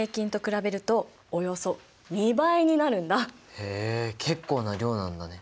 へえ結構な量なんだね。